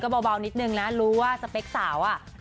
ปังแน่หนูว่า